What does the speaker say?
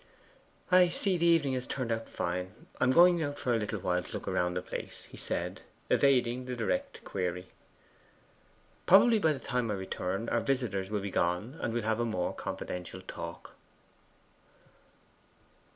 'I see the evening has turned out fine; I am going out for a little while to look round the place,' he said, evading the direct query. 'Probably by the time I return our visitors will be gone, and we'll have a more confidential talk.